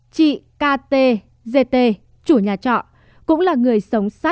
chị ktzt chủ nhà trọ cũng là người sống sắt